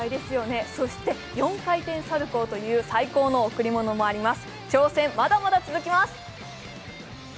そして４回転サルコウという最高の贈り物もあります。